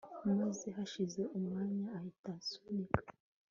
maze hashize umwanya ahita asunika